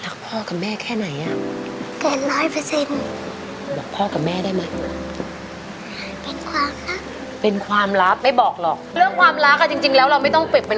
เดี๋ยวเกิดอะไรขึ้นอ่ะพี่เนยพี่แนน